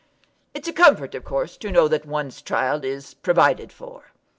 "It's a comfort, of course, to know that one's child is provided for."